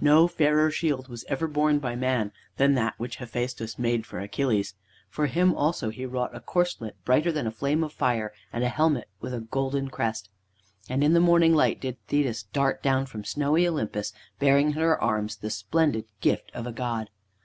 No fairer shield was ever borne by man than that which Hephaistus made for Achilles. For him also he wrought a corslet brighter than a flame of fire, and a helmet with a golden crest. And in the morning light did Thetis dart down from snowy Olympus, bearing in her arms the splendid gift of a god.